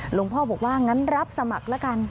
หลวงพ่อบอกว่างั้นรับสมัครแล้วกัน